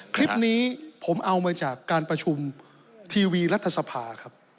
คลิปนี้ผมเอามาจากการประชุมทีวีรัฐสภาครับ